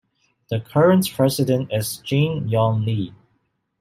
The current president is Jin-Young, Lee.